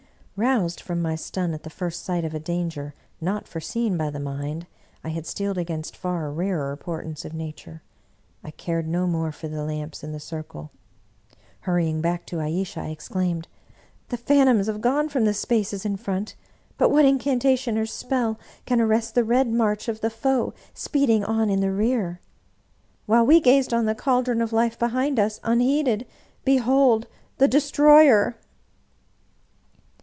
Roused from my stun at the first sight of a danger not foreseen by the mind I had steeled against far rarer por tents of Nature, I cared no more for the lamps and the circle. Hurrying back to Ayesha, I exclaimed: "The phantoms have gone from the spaces in front; but what incantation or spell can arrest the red march of the foe speeding on in the rear ! While we gazed on the caldron of life, behind us, unheeded, behold the Destroyer